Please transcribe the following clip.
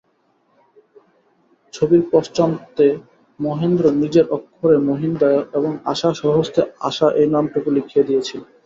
ছবির পশ্চাতে মহেন্দ্র নিজের অক্ষরে মহিনদা এবং আশা স্বহস্তে আশা এই নামটুকু লিখিয়া দিয়াছিল।